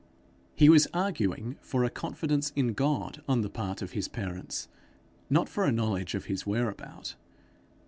He was arguing for confidence in God on the part of his parents, not for a knowledge of his whereabout.